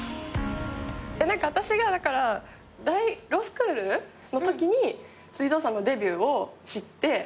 私がだからロースクールのときに辻堂さんのデビューを知って。